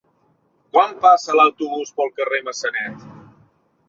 Quan passa l'autobús pel carrer Massanet?